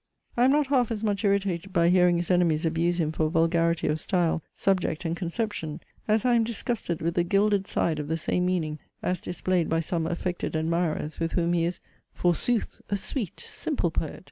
I am not half as much irritated by hearing his enemies abuse him for vulgarity of style, subject, and conception, as I am disgusted with the gilded side of the same meaning, as displayed by some affected admirers, with whom he is, forsooth, a "sweet, simple poet!"